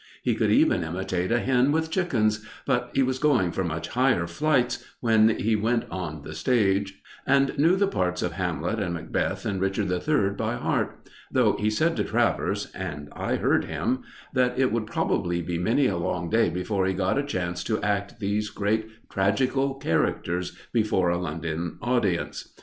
He could even imitate a hen with chickens, but he was going for much higher flights when he went on the stage, and knew the parts of Hamlet and Macbeth and Richard III by heart; though he said to Travers, and I heard him, that it would probably be many a long day before he got a chance to act these great tragical characters before a London audience.